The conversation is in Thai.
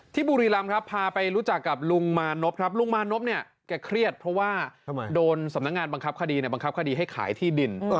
ที่บุรีรำพาไปรู้จักกับลุงมานบลุงมานบเครียดเพราะว่าโดนสำนักงานบังคับคดีให้ขายที่ดิน